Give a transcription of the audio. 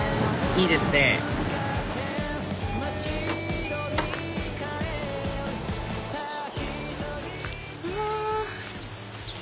いいですねうわ。